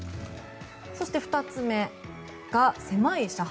そして、２つ目が狭い車幅。